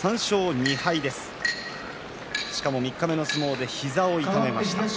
三日目の相撲で膝を痛めました。